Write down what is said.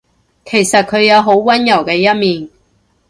其實佢有好溫柔嘅一面